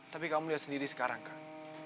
tapi kamu lihat sendiri sekarang kang